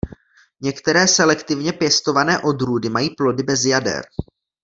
Některé selektivně pěstované odrůdy mají plody bez jader.